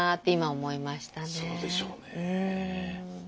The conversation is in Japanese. そうでしょうね。